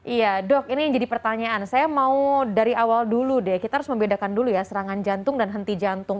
iya dok ini yang jadi pertanyaan saya mau dari awal dulu deh kita harus membedakan dulu ya serangan jantung dan henti jantung